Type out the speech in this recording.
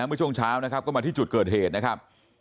เมื่อช่วงเช้านะครับก็มาที่จุดเกิดเหตุนะครับ